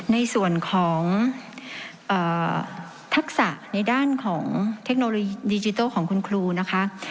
ในส่วนของทักษะในด้านของเทคโนโลยีดิจิทัลของคุณครูนะคะ